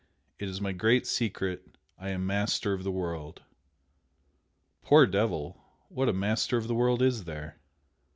IT IS MY GREAT SECRET! I AM MASTER OF THE WORLD!' Poor devil! What a 'master of the world' is there!"